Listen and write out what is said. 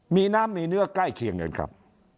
มีน้ำมีเนื้อใกล้เคียงกันครับ